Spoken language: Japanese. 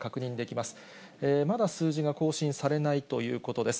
まだ数字が更新されないということです。